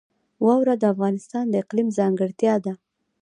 واوره د افغانستان د اقلیم ځانګړتیا ده.